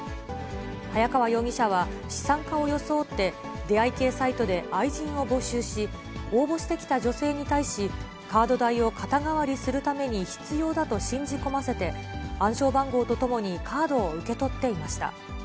早川容疑者は、資産家を装って、出会い系サイトで愛人を募集し、応募してきた女性に対し、カード代を肩代わりするために必要だと信じ込ませて、暗証番号とともにカードを受け取っていました。